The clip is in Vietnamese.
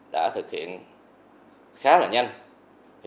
đã thực hiện khá là nhanh